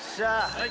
はい。